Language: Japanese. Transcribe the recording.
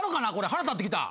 腹立ってきた。